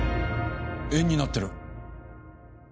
円になってる。